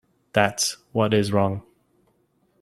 That's what is wrong.